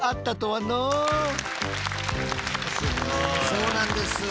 そうなんです。